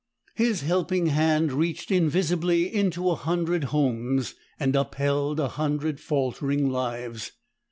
His helping hand reached invisibly into a hundred homes, and upheld a hundred faltering lives.